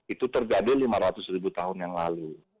itu terjadi lima ratus ribu tahun yang lalu